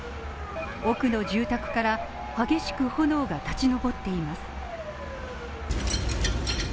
奥の住宅から激しく炎が立ち上っています。